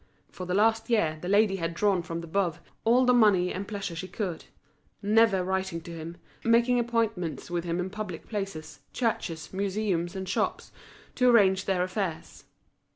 For the last year the lady had drawn from De Boves all the money and pleasure she could, never writing to him, making appointments with him in public places, churches, museums, and shops, to arrange their affairs.